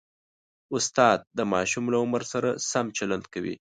استاد د ماشوم له عمر سره سم چلند کوي.